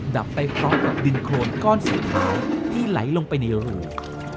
ดับไปพร้อมกับดินโครนก้อนสีขาวที่ไหลลงไปในรู